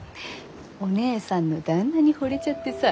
お姐さんの旦那にほれちゃってさ。